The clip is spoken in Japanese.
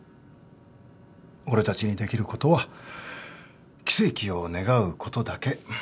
俺たちにできることは奇跡を願うことだけ。